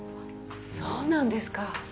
そうなんですか。